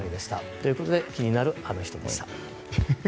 ということで気になるアノ人でした。